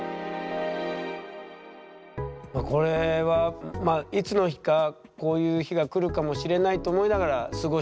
これはいつの日かこういう日がくるかもしれないと思いながら過ごしてた？